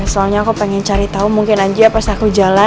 soalnya aku pengen cari tahu mungkin anji pas aku jalan